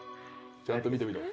ちゃんと見てみろ。